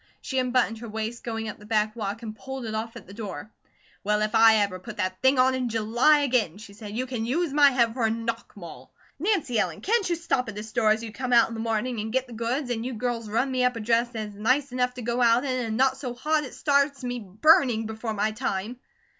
She unbuttoned her waist going up the back walk and pulled it off at the door. "Well, if I ever put that thing on in July again," she said, "you can use my head for a knock maul. Nancy Ellen, can't you stop at a store as you come out in the morning and get the goods, and you girls run me up a dress that is nice enough to go out in, and not so hot it starts me burning before my time?"